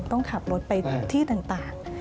ต้องขับรถไปที่ต่าง